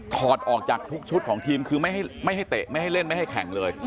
ถอดออกจากทุกชุดของทีมคือไม่ให้เตะไม่ให้เล่นไม่ให้แข่งเลย